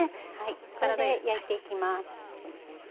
これで焼いていきます。